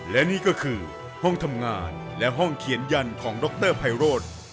และนี่ก็คือห้องทำงานและห้องเขียนยันของดรไพโรธ